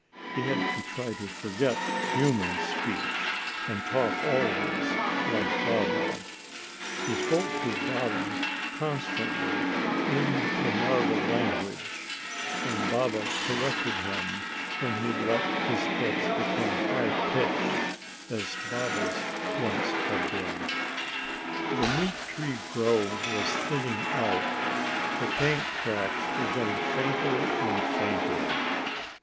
He had to try to forget human speech, and talk always like Baba. He spoke to Baba constantly in the marva language, and Baba corrected him when he let his clicks become high pitched as Baba's once had been. The meat tree grove was thinning out. The tank tracks were getting fainter and fainter.